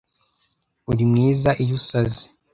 Urimwiza iyo usaze